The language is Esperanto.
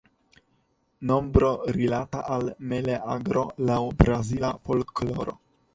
Nombro rilata al Meleagro laŭ Brazila folkloro.